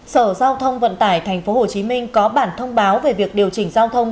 sở giao thông vận tải tp hcm có bản thông báo về việc điều chỉnh giao thông